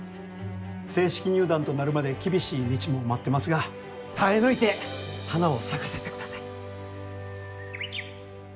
正式入団となるまで厳しい道も待ってますが耐え抜いて花を咲かせてください。